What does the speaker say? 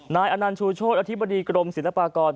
นายอนันต์ชูโชธอธิบดีกรมศิลปากร